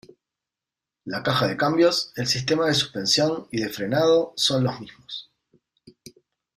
La caja de cambios, el sistema de suspensión y de frenado son los mismos.